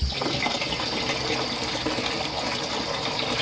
พร้อมทุกสิทธิ์